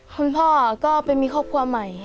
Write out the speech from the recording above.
คุณพ่อก็ไปมีครอบครัวใหม่